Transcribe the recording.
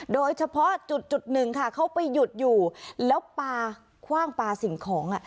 โดยเฉพาะจุดหนึ่งค่ะเขาไปหยุดอยู่แล้วปลาคว่างปลาสิ่งของ